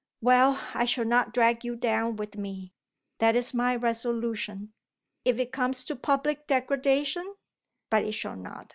Well, I shall not drag you down with me. That is my resolution. If it comes to public degradation but it shall not.